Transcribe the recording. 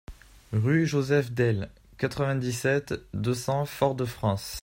Rue Joseph Del, quatre-vingt-dix-sept, deux cents Fort-de-France